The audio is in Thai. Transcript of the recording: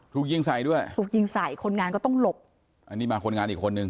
ถูกยิงใส่ด้วยถูกยิงใส่คนงานก็ต้องหลบอันนี้มาคนงานอีกคนนึง